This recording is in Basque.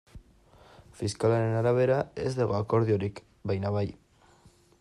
Fiskalaren arabera ez dago akordiorik, baina bai.